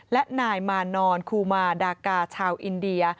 และนายมานอนคูมาดากาชาวอินเดีย